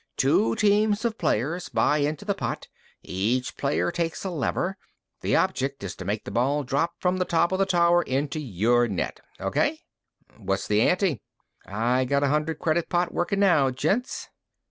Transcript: Two teams of players buy into the pot. Each player takes a lever; the object is to make the ball drop from the top of the tower into your net. Okay?" "What's the ante?" "I got a hundred credit pot workin' now, gents."